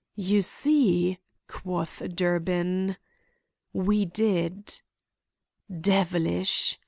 "You see!" quoth Durbin. We did. "Devilish!"